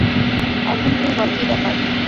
এখন তুই বল, কী ব্যাপার?